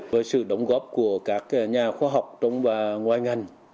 với sự đóng góp của các nhà khoa học trong và ngoài ngành